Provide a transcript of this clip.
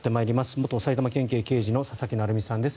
元埼玉県警刑事の佐々木成三さんです。